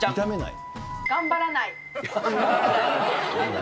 頑張らない。